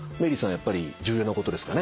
やっぱり重要なことですかね？